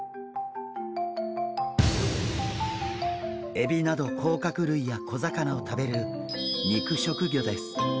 エビなどこうかくるいや小魚を食べる肉食魚です。